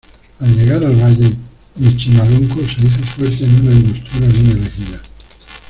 Al llegar al valle, Michimalonco se hizo fuerte en una angostura bien elegida.